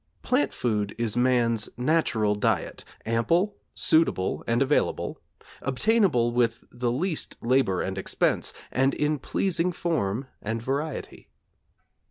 Plant food is man's natural diet; ample, suitable, and available; obtainable with least labor and expense, and in pleasing form and variety.